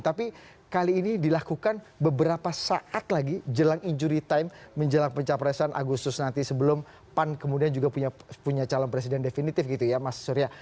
tapi kali ini dilakukan beberapa saat lagi jelang injury time menjelang pencapresan agustus nanti sebelum pan kemudian juga punya calon presiden definitif gitu ya mas surya